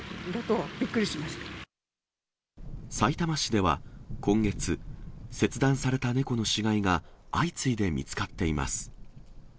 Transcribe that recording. さいたま市では、今月、切断された猫の死骸が相次いで見つかっています。